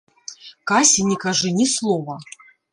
Касі не кажы ні слова.